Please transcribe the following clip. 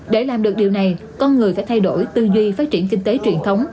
để làm được điều này con người phải thay đổi tư duy phát triển kinh tế truyền thống